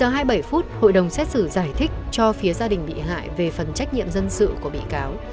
một mươi h hai mươi bảy phút hội đồng xét xử giải thích cho phía gia đình bị hại về phần trách nhiệm dân sự của bị cáo